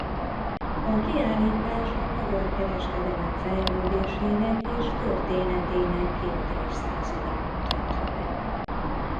A kiállítás a magyar kereskedelem fejlődésének és történetének két évszázadát mutatja be.